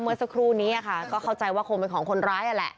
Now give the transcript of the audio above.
เมื่อสักครู่นี้ค่ะก็เข้าใจว่าคงเป็นของคนร้ายนั่นแหละ